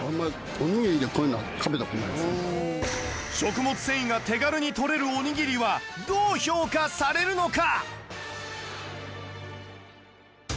食物繊維が手軽に摂れるおにぎりはどう評価されるのか！？